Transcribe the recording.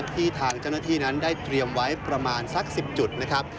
ทางเจ้าหน้าที่นั้นได้เตรียมไว้ประมาณสัก๑๐จุดนะครับ